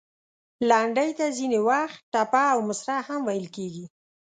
لنډۍ ته ځینې وخت، ټپه او مصره هم ویل کیږي.